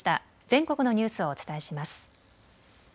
全国のニュースをお伝えします。